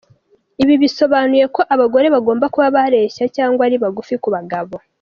Ibi bisobanuye ko abagore bagomba kuba bareshya cyangwa ari bagufi ku bagabo.